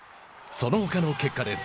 そのほかの結果です。